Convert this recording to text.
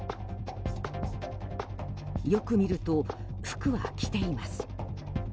よく見ると、服は着ています。